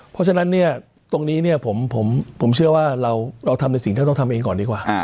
เพราะฉะนั้นเนี่ยตรงนี้เนี่ยผมเชื่อว่าเราทำในสิ่งที่เราต้องทำเองก่อนดีกว่า